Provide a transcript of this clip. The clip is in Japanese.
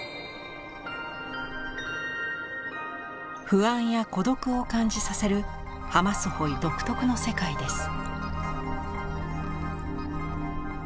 不安や孤独を感じさせるハマスホイ独特の世界です。